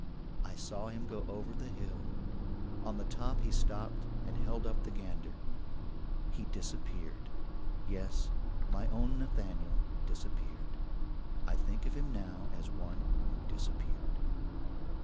"I saw him go over the hill. On the top he stopped and held up the gander. He disappeared; yes, my own Nathaniel disappeared. I think of him now as one who disappeared.